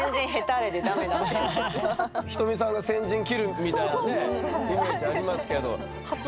ひとみさんが先陣切るみたいなねイメージありますけど実際。